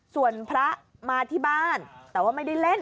ส่วนพระมาที่บ้านแต่ว่าไม่ได้เล่น